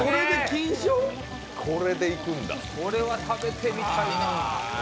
これは食べてみたいなあ。